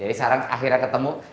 jadi sekarang akhirnya ketemu